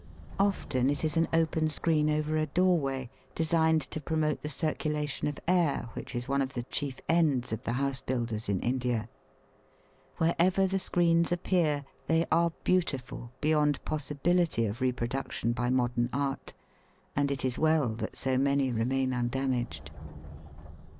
Often it is an open screen over a doorway, designed to promote the circula tion of air which is one of the chief ends of the house builders in India. Wherever the screens appear they are beautiful beyond possi biUty of reproduction by modern art, and it is well that so many remain undamaged.